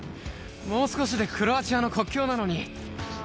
もう少しでクロアチアの国境なのに。